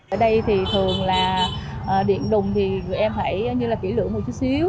ở đây thì thường là điện đùng thì em hãy như là kỹ lượng một chút xíu